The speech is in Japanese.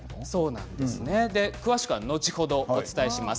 詳しくは後ほどお伝えします。